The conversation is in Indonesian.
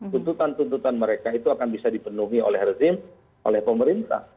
tuntutan tuntutan mereka itu akan bisa dipenuhi oleh rezim oleh pemerintah